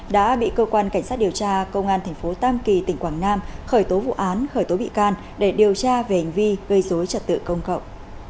đã bị cơ quan cảnh sát điều tra công an tp tam kỳ tỉnh quảng nam khởi tố vụ án khởi tố bị can để điều tra về hành vi gây dối trật tự công cộng